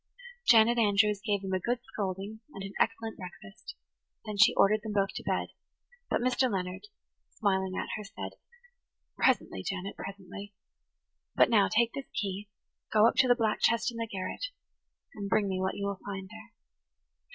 Janet Andrews gave them a good scolding and an excellent breakfast. Then she ordered them both to bed; but Mr. Leonard, smiling at her, said: "Presently, Janet, presently. But now take this key, go up to the black chest in the garret, and bring me what you will find there."